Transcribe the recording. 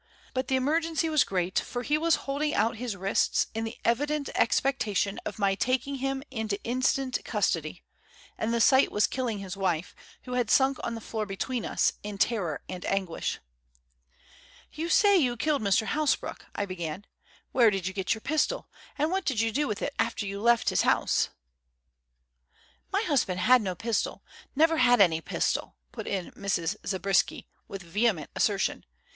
But the emergency was great, for he was holding out his wrists in the evident expectation of my taking him into instant custody; and the sight was killing his wife, who had sunk on the floor between us, in terror and anguish. "You say you killed Mr. Hasbrouck," I began. "Where did you get your pistol, and what did you do with it after you left his house?" "My husband had no pistol; never had any pistol," put in Mrs. Zabriskie, with vehement assertion.